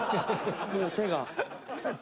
もう手が。